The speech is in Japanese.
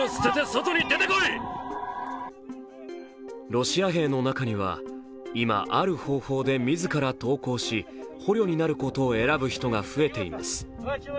ロシア兵の中には今ある方法で自ら投降し、捕虜になることを選ぶ人が増えています。